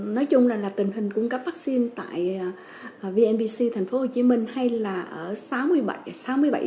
nói chung là tình hình cung cấp vaccine tại vnvc tp hcm hay là ở sài gòn